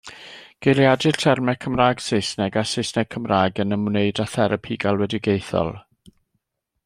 Geiriadur termau Cymraeg-Saesneg a Saesneg-Cymraeg yn ymwneud â therapi galwedigaethol.